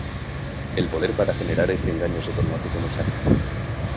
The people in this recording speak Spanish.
El poder para generar este engaño se conoce como Shakti.